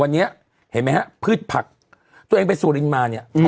วันนี้เห็นไหมฮะพืชผักตัวเองไปสุรินทร์มาเนี่ย